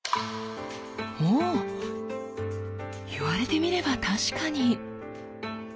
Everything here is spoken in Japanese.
ほぉ言われてみれば確かに。